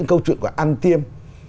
câu chuyện của an tiêm